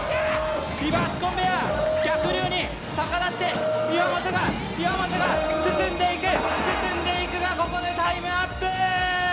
リバースコンベアー逆流に逆らって岩本が岩本が進んでいく進んでいくがここでタイムアップ！